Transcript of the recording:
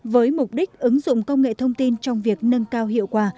với mục đích ứng dụng công nghệ thông tin trong việc nâng cao hiệu quả